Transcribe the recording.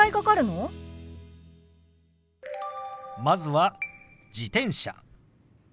まずは「自転車」。